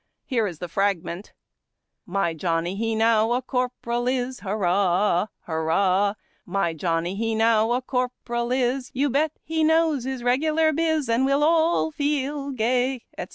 Here is the fragment :— My Johnny he now a Corporal is I Hurrah ! Hurrah ! My Johnny he now a Corporal is, You bet he knows his regular biz, And we'll all feel gay, etc.